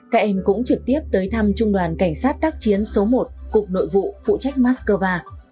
các em cũng trực tiếp tới thăm trung đoàn cảnh sát tác chiến số một cục nội vụ phụ trách mắc cơ va